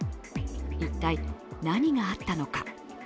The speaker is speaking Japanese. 一体、何があったのか。